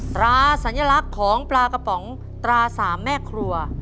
ตราสัญลักษณ์ของปลากระป๋องตรา๓แม่ครัว